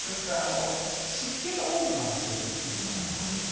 湿気と温度なんですよ、食中毒って。